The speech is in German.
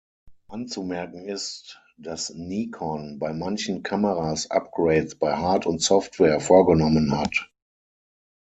Anzumerken ist, dass Nikon bei manchen Kameras Upgrades bei Hard- und Software vorgenommen hat.